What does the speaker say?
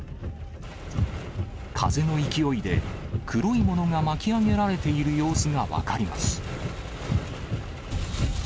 風の勢いで、黒いものが巻き上げられている様子が分かります。